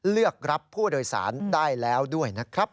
เลือกรับผู้โดยสารได้แล้วด้วยนะครับ